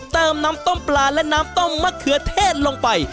น้ำต้มปลาและน้ำต้มมะเขือเทศลงไป